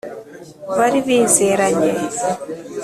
bari bizeranye